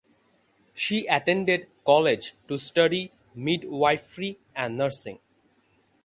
She attended college to study midwifery and nursing.